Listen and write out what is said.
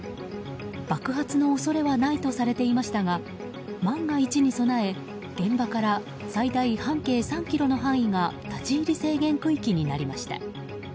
爆発の恐れはないとされていましたが万が一に備え、現場から最大半径３ｋｍの範囲が立ち入り制限区域になりました。